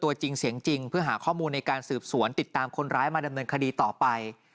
ตัวจริงเสียงจริงเพื่อหาข้อมูลในการสืบสวนติดตามคนร้ายมาดำเนินคดีต่อไป